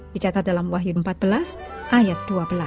dicatat dalam wahyu empat belas ayat dua belas